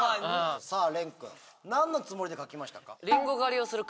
さぁ廉君何のつもりで描きましたか？